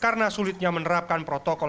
karena sulitnya menerapkan protokol